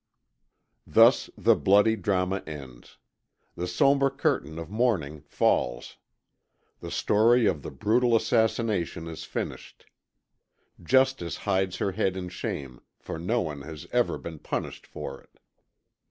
Thus the bloody drama ends. The sombre curtain of mourning falls. The story of the brutal assassination is finished. Justice hides her head in shame for no one has ever been punished for it.